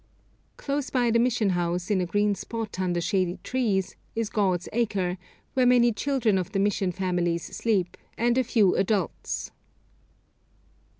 Close by the mission house, in a green spot under shady trees, is God's Acre, where many children of the mission families sleep, and a few adults.